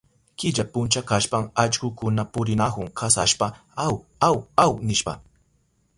Killa puncha kashpan allkukuna purinahun kasashpa aw, aw, aw nishpa.